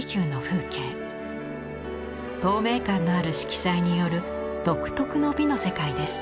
透明感のある色彩による独特の美の世界です。